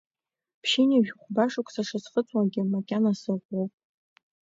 Ԥшьынҩажәи хәба шықәса шысхыҵуагьы, макьана сыӷәӷәоуп.